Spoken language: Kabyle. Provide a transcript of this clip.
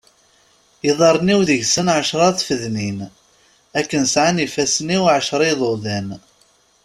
Iḍarren-iw deg-sen εecra tfednin akken sεan ifassen-iw εecra iḍuḍan.